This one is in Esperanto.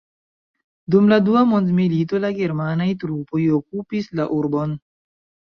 Dum la Dua Mondmilito la germanaj trupoj okupis la urbon.